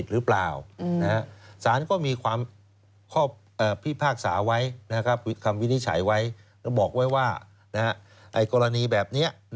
ด้วยว่าในกรณีแบบนี้นะครับ